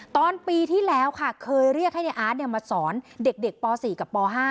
ตอนปีที่แล้วค่ะเคยเรียกให้ในอาร์ตมาสอนเด็กป๔กับป๕